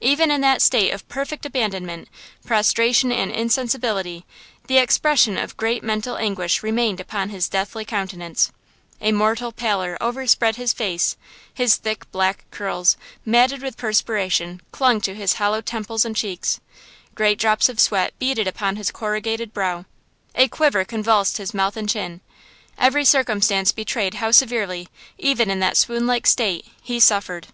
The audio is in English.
Even in that state of perfect abandonment, prostration and insensibility, the expression of great mental anguish remained upon his deathly countenance; a mortal pallor overspread his face; his thick, black curls, matted with perspiration, clung to his hollow temples and cheeks; great drops of sweat beaded upon his corrugated brow; a quiver convulsed his mouth and chin; every circumstance betrayed how severely, even in that swoonlike state, he suffered.